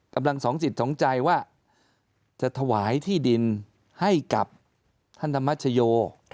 สองจิตสองใจว่าจะถวายที่ดินให้กับท่านธรรมชโย